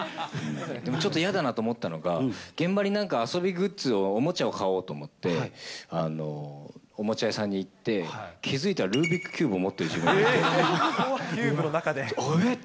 ちょっと嫌だなと思ったのが、現場になんか遊びグッズを、おもちゃを買おうと思って、おもちゃ屋さんに行って、気付いたら、ルービックキューブを持っている自分がいて。